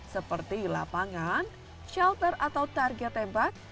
seperti lapangan shelter atau target tembak